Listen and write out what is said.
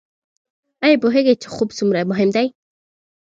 ایا پوهیږئ چې خوب څومره مهم دی؟